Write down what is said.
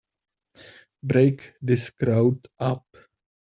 Break this crowd up!